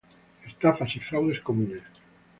Estafas y fraudes comunes